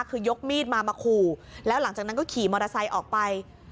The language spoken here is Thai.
คือยกมีดมามาขู่แล้วหลังจากนั้นก็ขี่มอเตอร์ไซค์ออกไป